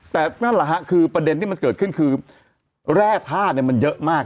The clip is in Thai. แต่นั่นแหละฮะคือประเด็นที่มันเกิดขึ้นคือแร่ผ้าเนี่ยมันเยอะมาก